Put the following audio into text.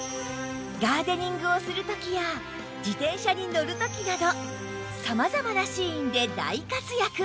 ガーデニングをする時や自転車に乗る時など様々なシーンで大活躍